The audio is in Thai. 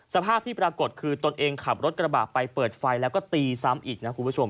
สภาพที่ปรากฏคือตนเองขับรถกระบะไปเปิดไฟแล้วก็ตีซ้ำอีกนะคุณผู้ชม